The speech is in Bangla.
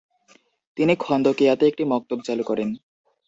তিনি খন্দকিয়াতে একটি মক্তব চালু করেন।